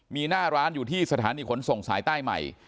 มีหน้าร้านอยู่ที่สถานีขนส่งสายใต้ใหม่